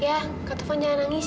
ya kak taufan jangan nangis ya